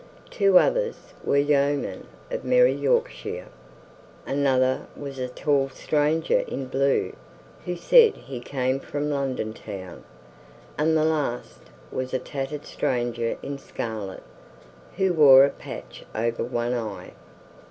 Two others were yeomen of merry Yorkshire, another was a tall stranger in blue, who said he came from London Town, and the last was a tattered stranger in scarlet, who wore a patch over one eye.